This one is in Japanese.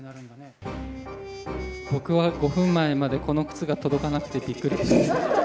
僕は５分前まで、この靴が届かなくてびっくりした。